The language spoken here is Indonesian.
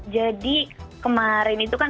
jadi kemarin itu kan